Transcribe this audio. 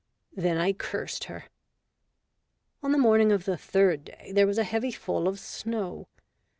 Then I cursed her. On the morning of the third day there was a heavy fall of snow.